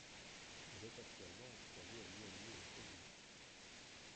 Il est actuellement installé à Miami, aux États-Unis.